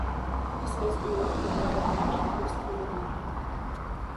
ის არის პირველი ფილმი ადამიანი ობობას ტრილოგიიდან.